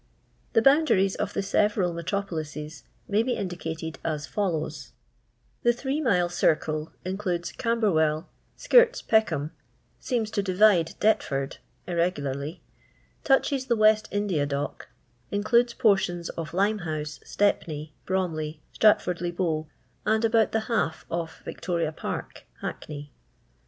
The boundaries of the several metropolises may be indicated as follows :— The Three Mile Cirele includes Camberwell ; •kirts Peckham ; seems to divide Deptford (irre gularly) ; touches the West India Dock ; includes portions of Limehouse, Stepney, Bromley, Strat tbrd le Bow, and about the h^f of Victoria park, Hackney.